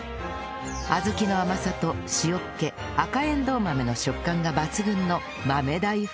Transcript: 小豆の甘さと塩っ気赤えんどう豆の食感が抜群の豆大福が完成